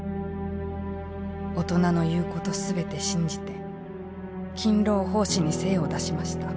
大人の言うこと全て信じて勤労奉仕に精を出しました。